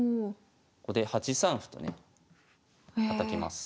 ここで８三歩とねたたきます。